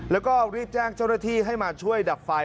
แล้วก็รีบแจ้งเจ้าหน้าที่ให้มาช่วยดับไฟ